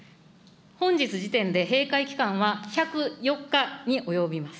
本日時点で閉会期間は１０４日に及びます。